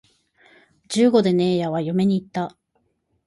十五でねえやは嫁に行った